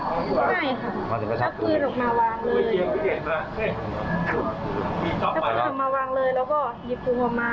ก็พื้นออกมาวางเลยถ้าเขาทำมาวางเลยแล้วก็หยิบปุงออกมา